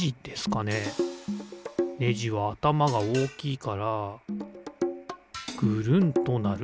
ネジはあたまがおおきいからぐるんとなる。